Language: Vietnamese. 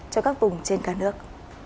cho các vùng trên cả nước